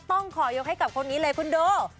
ต้องขอยกให้กับคนนี้เลยคุณดู